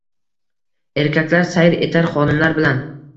Erkaklar sayr etar xonimlar bilan